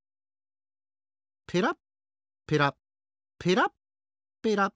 ペラッペラッペラッペラッ。